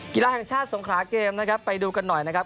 กีฬาแห่งชาติสงขลาเกมนะครับไปดูกันหน่อยนะครับ